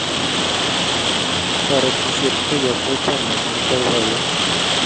Toretisiet koywaktai chamnyet ak boiboiyet